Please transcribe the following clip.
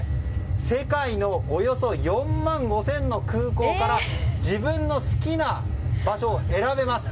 世界のおよそ４万５０００の空港から自分の好きな場所を選べます。